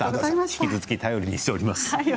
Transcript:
引き続き頼りにしております。